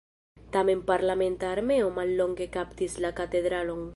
Tamen parlamenta armeo mallonge kaptis la katedralon.